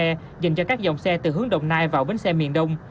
cầu vượt số bốn tổ chức cho các dòng xe từ hướng đồng nai vào bến xe miền đông